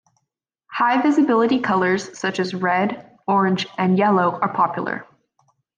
High-visibility colours such as red, orange and yellow are popular.